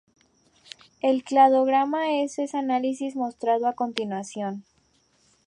El cladograma de ese análisis es mostrado a continuación.